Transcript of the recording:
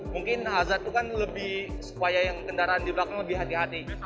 mungkin azad itu kan lebih supaya yang kendaraan di belakang lebih hati hati gitu